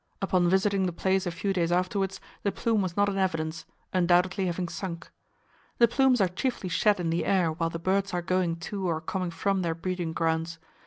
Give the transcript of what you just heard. Upon visiting the place a few days afterwards, the plume was not in evidence, undoubtedly having sunk. The plumes are chiefly shed in the air while the birds are going to or coming from their breeding grounds.